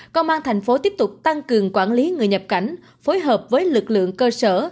công an thành phố tiếp tục tăng cường quản lý người nhập cảnh phối hợp với lực lượng cơ sở